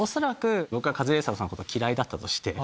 僕がカズレーザーさんのことが嫌いだったとして。